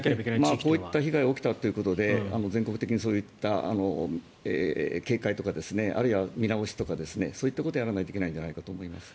こういう被害が起きたということで全国的にそういう警戒とかあるいは、見直しとかそういったことをやらないといけないんじゃないかと思います。